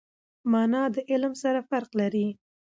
مانا د علم سره فرق لري.